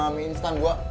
kayu rizky sedang tiba